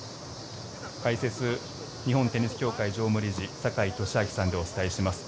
解説、日本テニス協会常務理事坂井利彰さんでお伝えしています。